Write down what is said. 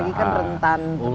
apalagi kan rentan